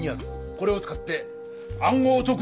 これを使って暗号をとくんだ。